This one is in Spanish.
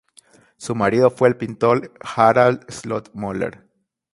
Su marido fue el pintor Harald Slott-Møller.